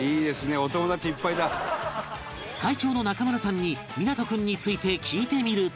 会長の中村さんに湊君について聞いてみると